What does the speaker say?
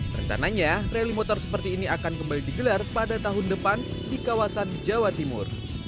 rencananya rally motor seperti ini akan kembali digelar pada tahun depan di kawasan jawa timur